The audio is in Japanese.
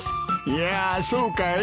いやそうかい？